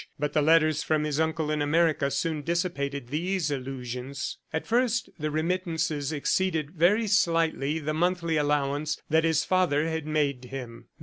But the letters from his uncle in America soon dissipated these illusions. At first the remittances exceeded very slightly the monthly allowance that his father had made him.